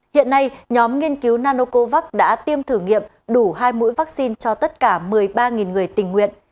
hiện nay nhóm nghiên cứu nanocovax đã tiêm thử nghiệm đủ hai mũi vaccine cho tất cả một mươi ba người tình nguyện